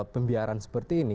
pembiaran seperti ini